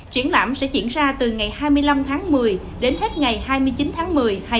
triển lãm sẽ diễn ra từ ngày hai mươi năm tháng một mươi đến hết ngày hai mươi chín tháng một mươi hai nghìn một mươi bảy